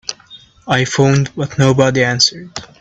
I phoned but nobody answered.